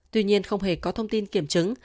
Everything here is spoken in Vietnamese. tuy nhiên không hề có thông tin kiểm chứng